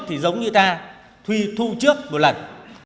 thì giống như ta thu trước một lần